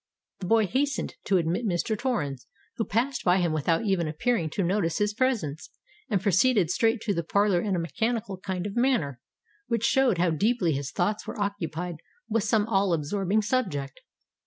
The boy hastened to admit Mr. Torrens, who passed him by without even appearing to notice his presence, and proceeded straight to the parlour in a mechanical kind of manner, which showed how deeply his thoughts were occupied with some all absorbing subject.